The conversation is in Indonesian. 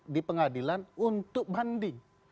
di pengadilan untuk banding